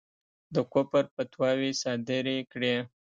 د کُفر فتواوې صادري کړې.